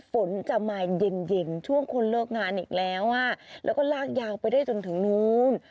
ฝนจะมาเย็นช่วงคนเลิกงานอีกแล้วแล้วก็ลากยาวไปได้จนถึงนู้น